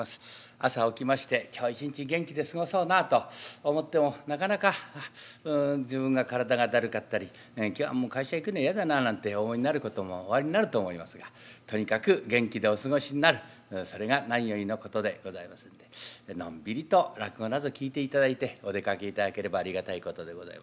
朝起きまして今日一日元気で過ごそうなと思ってもなかなか自分が体がだるかったり「今日はもう会社行くの嫌だな」なんてお思いになることもおありになると思いますがとにかく元気でお過ごしになるそれが何よりのことでございますんでのんびりと落語なぞ聴いていただいてお出かけいただければありがたいことでございますが。